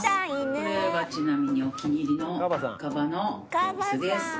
これはちなみにお気に入りのカバの椅子です。